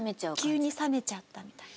急に冷めちゃったみたいな。